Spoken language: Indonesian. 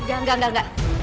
enggak enggak enggak